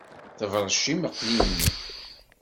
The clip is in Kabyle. Tebṛec lmeqli-nni.